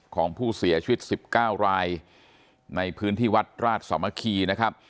ของผู้เสียชีวิต๑๙รายในพื้นที่วัดราชสามัคคีนะครับ